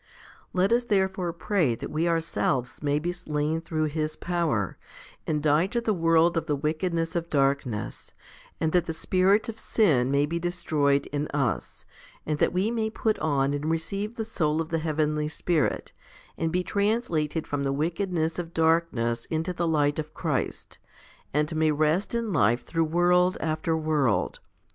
9. Let us therefore pray that we ourselves may be slain through His power, and die to the world of the wickedness of darkness, and that the spirit of sin may be destroyed in us, and that we may put on and receive the soul of the heavenly Spirit, and be translated from the wickedness of darkness into the light of Christ, and may rest in life through world after world.